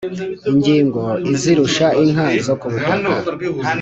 ingingo izirusha inka zo kubutaka